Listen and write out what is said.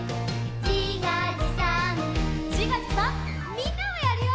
みんなもやるよ！